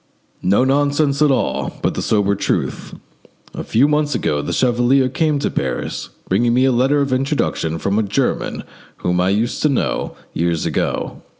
"No nonsense at all, but the sober truth. A few months ago the chevalier came to Paris, bringing me a letter of introduction from a German whom I used to know years ago.